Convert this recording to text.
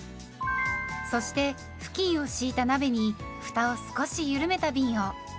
そして布巾を敷いた鍋にふたを少しゆるめたびんを。